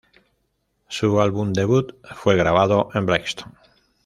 Su álbum debut fue grabado en Brixton.